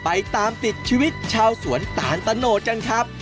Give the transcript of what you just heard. ไปตามติดชีวิตชาวสวนตาลตะโนดกันครับ